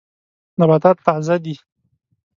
نباتات تازه دي.